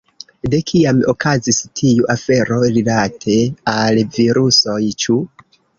De kiam okazis tiu afero rilate al virusoj, ĉu?